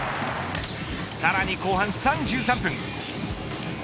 さらに後半３３分。